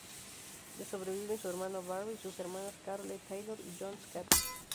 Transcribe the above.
Le sobreviven su hermano Barry y sus hermanas Carole Taylor y Jones Cathy.